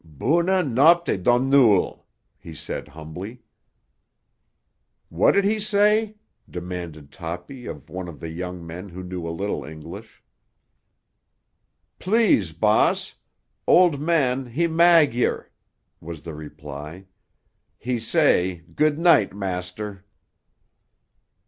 "Buna nopte, Domnule," he said humbly. "What did he say?" demanded Toppy of one of the young men who knew a little English. "Plees, bahss; old man, he Magyar," was the reply. "He say, 'Good night, master.